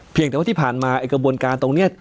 แต่ว่าที่ผ่านมาไอ้กระบวนการตรงนี้